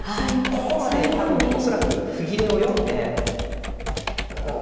ここまで多分恐らく歩切れを読んでうん